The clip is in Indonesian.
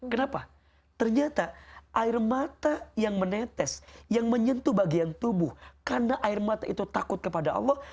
kenapa ternyata air mata yang menetes yang menyentuh bagian tubuh karena air mata itu takut kepada allah